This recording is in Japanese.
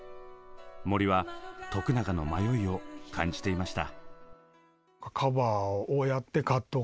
森は永の迷いを感じていました。